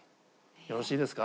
よろしいですか？